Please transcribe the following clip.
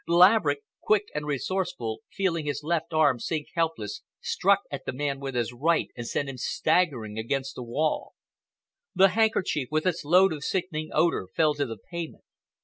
Laverick, quick and resourceful, feeling his left arm sink helpless, struck at the man with his right and sent him staggering against the wall. The handkerchief, with its load of sickening odor, fell to the pavement.